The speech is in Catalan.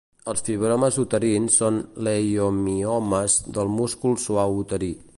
Els fibromes uterins són leiomiomes del múscul suau uterí.